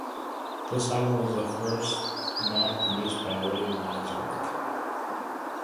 This album was their first not produced by Ray Manzarek.